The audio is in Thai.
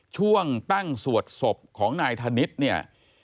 ช่วงตั้งสวดศพของนายธนิษฐ์เนี่ย